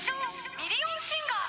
ミリオンシンガー・